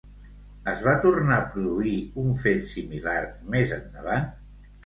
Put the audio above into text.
Es va tornar a produir un fet similar més endavant?